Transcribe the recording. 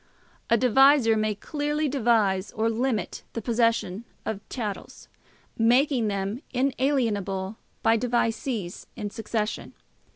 A devisor may clearly devise or limit the possession of chattels, making them inalienable by devisees in succession.